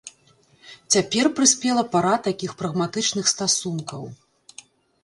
Цяпер прыспела пара такіх прагматычных стасункаў.